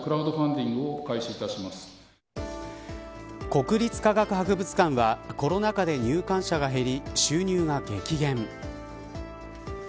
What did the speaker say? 国立科学博物館はコロナ禍で入館者が減り収入が激減。